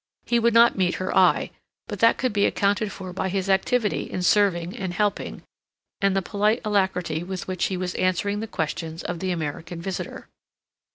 He would not meet her eye, but that could be accounted for by his activity in serving and helping, and the polite alacrity with which he was answering the questions of the American visitor.